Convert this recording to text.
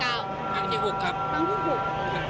ตอนนี้เป็นครั้งหนึ่งครั้งหนึ่ง